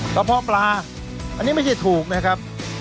เพาะปลาอันนี้ไม่ใช่ถูกนะครับ